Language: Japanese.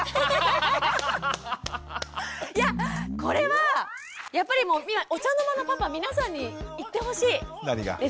いやこれはやっぱりもうお茶の間のパパ皆さんに言ってほしいですね。